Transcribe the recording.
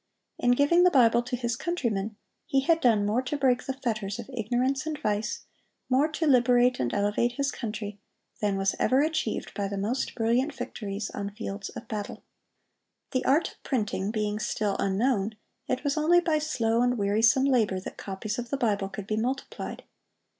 In giving the Bible to his countrymen, he had done more to break the fetters of ignorance and vice, more to liberate and elevate his country, than was ever achieved by the most brilliant victories on fields of battle. The art of printing being still unknown, it was only by slow and wearisome labor that copies of the Bible could be multiplied.